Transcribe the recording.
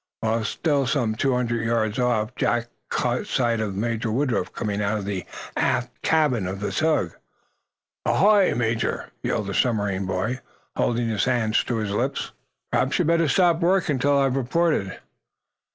While still some two hundred yards off Jack caught sight of Major Woodruff coming out of the after cabin of the tug. "Ahoy, Major!" yelled the submarine boy, holding his hands to his lips. "Perhaps you'd better stop work until I've reported."